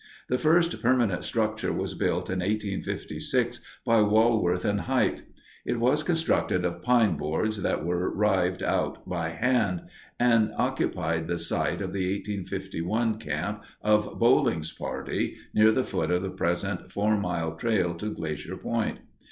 The first permanent structure was built in 1856 by Walworth and Hite. It was constructed of pine boards that were rived out by hand, and occupied the site of the 1851 camp of Boling's party (near the foot of the present Four Mile Trail to Glacier Point).